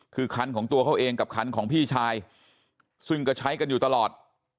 คือคันของตัวเขาเองกับคันของพี่ชายซึ่งก็ใช้กันอยู่ตลอด